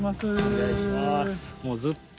お願いします。